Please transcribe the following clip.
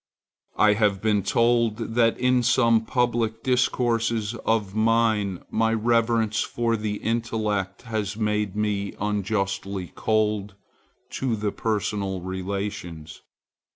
I have been told that in some public discourses of mine my reverence for the intellect has made me unjustly cold to the personal relations.